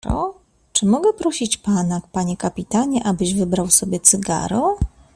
"Czy mogę prosić pana, panie kapitanie, abyś wybrał sobie cygaro?"